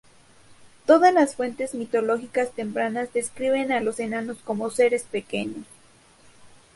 Todas las fuentes mitológicas tempranas describen a los enanos como seres pequeños.